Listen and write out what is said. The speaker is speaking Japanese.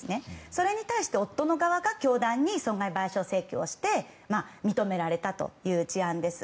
それに対して夫の側が損害賠償請求をして認められたという事案です。